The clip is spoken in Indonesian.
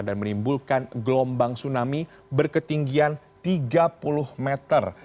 dan menimbulkan gelombang tsunami berketinggian tiga puluh meter